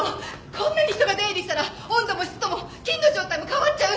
こんなに人が出入りしたら温度も湿度も菌の状態も変わっちゃう！